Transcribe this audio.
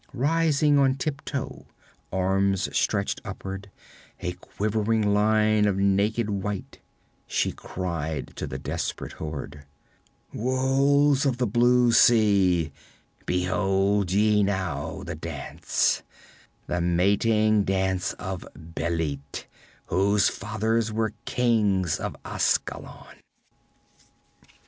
Rising on tiptoe, arms stretched upward, a quivering line of naked white, she cried to the desperate horde: 'Wolves of the blue sea, behold ye now the dance the mating dance of Bêlit, whose fathers were kings of Askalon!'